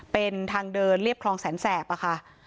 เป็นทางเดินเรียบคลองแสนแสบค่ะ